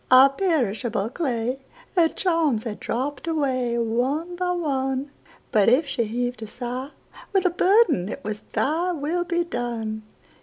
Ah, perishable clay! Her charms had dropp'd awayOne by one; But if she heav'd a sighWith a burden, it was, "ThyWill be done."